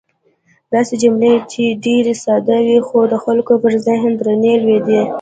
داسې جملې چې ډېرې ساده وې، خو د خلکو پر ذهن درنې لوېدې.